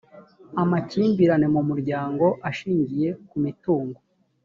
amakimbirane mu muryango ashingiye ku mitungo